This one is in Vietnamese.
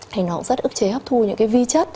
thì nó cũng rất ức chế hấp thu những cái vi chất